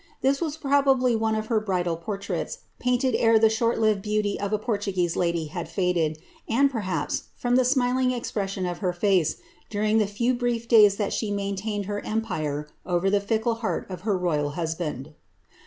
This was probably one of her bridal portraits, painted ere the short lived beauty of a Portuguese lady had faded, and paiiaps, iroa the smiling expression of her face, during the few brief dsys uiat sht maintained her empire over the fickle heart of her royal husband.